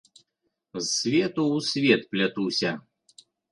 З свету ў свет плятуся.